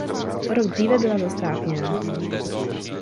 O rok dříve byla zestátněna.